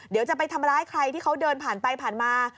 เดี๋ยวจะไปทำร้ายใครที่เขาเดินผ่านไปผ่านมา